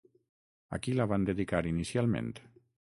A qui la van dedicar inicialment?